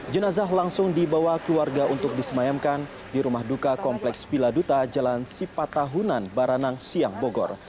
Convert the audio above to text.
jenazah langsung dibawa keluarga untuk disemayamkan di rumah duka kompleks villa duta jalan sipatahunan baranang siang bogor